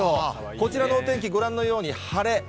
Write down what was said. こちらのお天気、ご覧のように、晴れ。